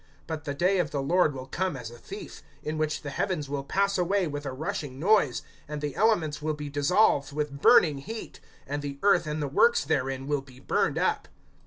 (10)But the day of the Lord will come as a thief; in which the heavens will pass away with a rushing noise, and the elements will be dissolved with burning heat, and the earth and the works therein will be burned up.